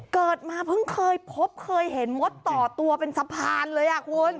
เกิดมาเพิ่งเคยพบเคยเห็นมดต่อตัวเป็นสะพานเลยอ่ะคุณ